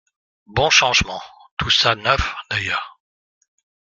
Bons changements ; tout ça neuf, d’ailleurs.